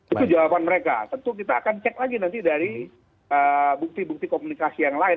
itu jawaban mereka tentu kita akan cek lagi nanti dari bukti bukti komunikasi yang lain